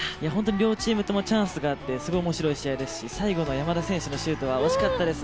両チームともチャンスがあってすごい面白い試合ですし最後の山田選手のシュートは惜しかったですね。